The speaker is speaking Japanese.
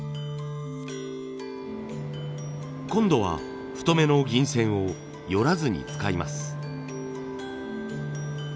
今度は太めの銀線をよらずに使います。